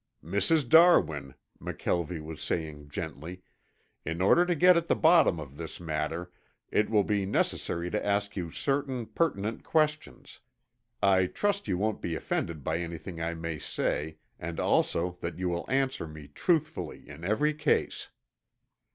"Mrs. Darwin," McKelvie was saying gently, "in order to get at the bottom of this matter it will be necessary to ask you certain pertinent questions. I trust you won't be offended by anything I may say and also that you will answer me truthfully in every case."